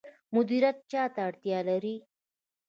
مدیریت چا ته اړتیا لري؟